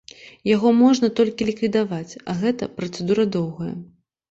Яго можна толькі ліквідаваць, а гэта працэдура доўгая.